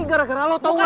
gua udah berhenti avoided